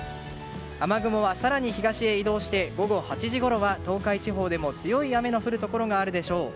雨雲は更に東へ移動して午後８時ごろは東海地方でも強い雨の降るところがあるでしょう。